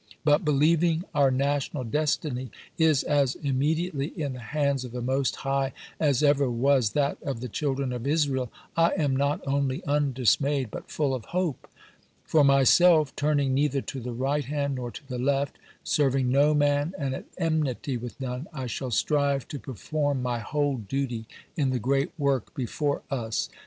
But, believing our national destiny is as immediately in the hands of the Most High as ever was that of the Childi"en of Israel, I am not only undismayed, but full of hope. For myself, tui'ning neither to the right hand nor to the left, serving no man, and at enmity with none, I shall strive to perform my whole duty in the great work before us.